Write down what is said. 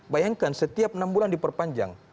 bayangkan setiap enam bulan diperpanjang